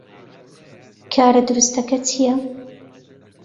کارە دروستەکە چییە؟